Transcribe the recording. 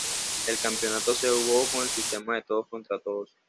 El campeonato se jugó con el sistema de todos contra todos.